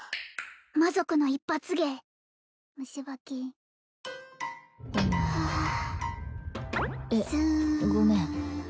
魔族の一発芸虫歯菌えごめん